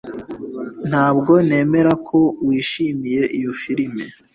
Ntabwo nemera ko wishimiye iyo firime